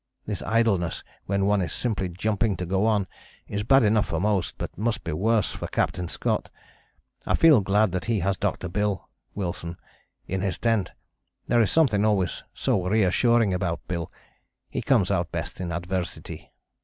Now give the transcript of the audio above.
This idleness when one is simply jumping to go on is bad enough for most, but must be worse for Captain Scott. I feel glad that he has Dr. Bill (Wilson) in his tent; there is something always so reassuring about Bill, he comes out best in adversity."